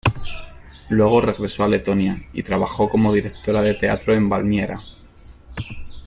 Luego regresó a Letonia y trabajó como directora de teatro en Valmiera.